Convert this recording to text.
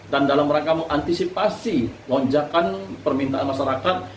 dan dalam rangka mengantisipasi lonjakan permintaan masyarakat